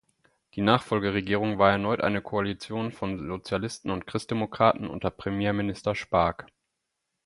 Die Nachfolgeregierung war erneut eine Koalition von Sozialisten und Christdemokraten unter Premierminister Spaak.